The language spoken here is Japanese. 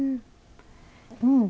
うん。